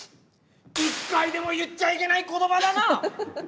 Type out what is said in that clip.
１回でも言っちゃいけない言葉だな！